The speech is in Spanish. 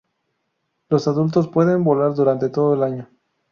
Los adultos pueden volar durante todo el año.